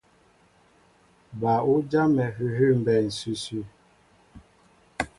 Ba' ú jámɛ hʉhʉ́ mbɛɛ ǹsʉsʉ.